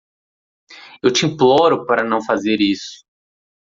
Eu te imploro para não fazer isso.